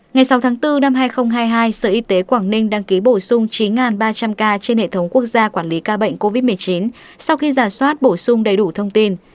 ngày sáu tháng bốn năm hai nghìn hai mươi hai sở y tế quảng ninh đăng ký bổ sung chín ba trăm linh ca trên hệ thống quốc gia quản lý ca bệnh covid một mươi chín sau khi giả soát bổ sung đầy đủ thông tin